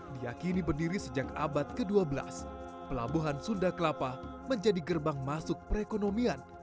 diakini berdiri sejak abad ke dua belas pelabuhan sunda kelapa menjadi gerbang masuk perekonomian